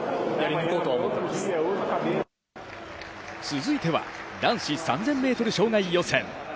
続いては男子３０００ｍ障害予選。